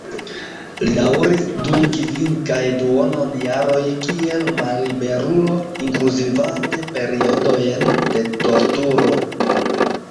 Li daŭris dum kvin kaj duonon jaroj kiel malliberulo, inkluzivante periodojn de torturo.